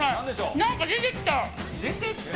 なんか出てきた。